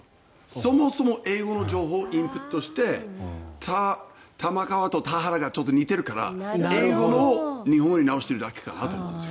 そもそも英語の情報をインプットして玉川と田原がちょっと似てるから英語を日本語に直しているだけかなと思うんですよ。